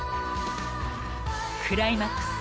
［クライマックス］